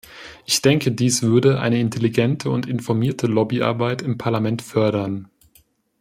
Ich denke, dies würde eine intelligente und informierte Lobbyarbeit im Parlament fördern.